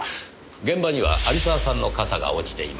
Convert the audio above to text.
現場には有沢さんの傘が落ちていました。